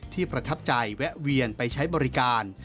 ประทับใจแวะเวียนไปใช้บริการ